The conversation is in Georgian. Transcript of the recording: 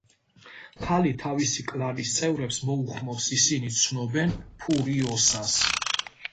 ქალი თავისი კლანის წევრებს მოუხმობს, ისინი ცნობენ ფურიოსას.